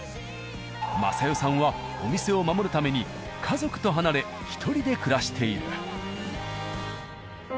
雅代さんはお店を守るために家族と離れ１人で暮らしている。